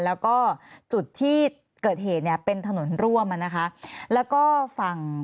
แล้วก็จุดที่เกิดเหตุเนี่ยเป็นถนนร่วมอ่ะนะคะแล้วก็ฝั่ง